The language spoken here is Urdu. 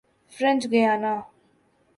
French Guiana